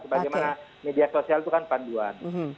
sebagaimana media sosial itu kan panduan